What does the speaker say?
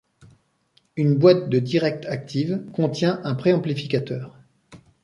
Une boite de direct active contient un préamplificateur.